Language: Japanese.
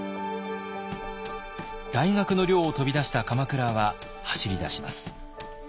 大学の寮を飛び出した鎌倉は走りだします。